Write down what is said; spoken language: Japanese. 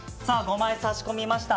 ５枚差し込みました。